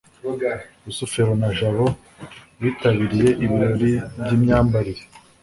rusufero na jabo bitabiriye ibirori by'imyambarire